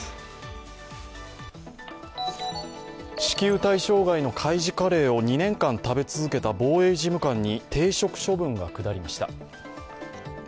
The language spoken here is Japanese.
支給対象外の海自カレーを２年間食べ続けた防衛事務官に停職処分が下りました。